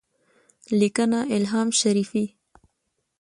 -لیکنه: الهام شریفي